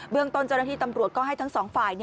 เรื่องต้นเจ้าหน้าที่ตำรวจก็ให้ทั้งสองฝ่าย